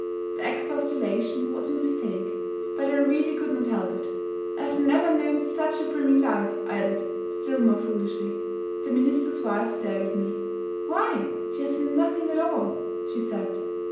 The expostulation was a mistake, but I really could not help it. 'I have never known such a brimming life,' I added, still more foolishly. The minister's wife stared at me. 'Why, she has nothing at all,' she said.